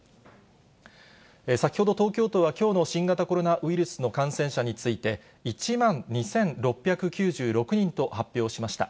先ほど東京都はきょうの新型コロナウイルスの感染者について、１万２６９６人と発表しました。